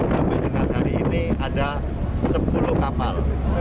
sampai dengan hari ini ada sepuluh kapal